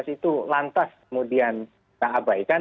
satu ratus empat belas itu lantas kemudian tak abaikan